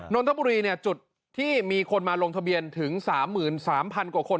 นนทบุรีจุดที่มีคนมาลงทะเบียนถึง๓๓๐๐กว่าคน